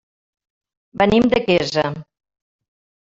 Venim de Quesa.